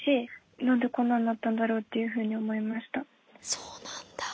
そうなんだぁ。